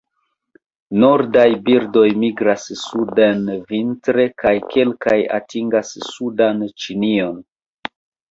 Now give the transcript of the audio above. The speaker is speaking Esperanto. Nordaj birdoj migras suden vintre kaj kelkaj atingas sudan Ĉinion.